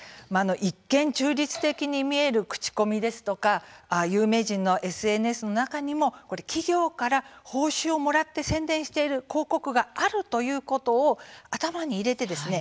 一見、中立的に見える口コミですとか有名人のＳＮＳの中にも企業から報酬をもらって宣伝している広告があるということを頭に入れてですね